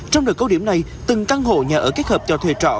trong đợt câu điểm này từng căn hộ nhà ở kết hợp cho thuê trọ